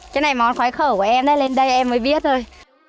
cái này món khoái khẩu của em đấy lên đây em mới biết thôi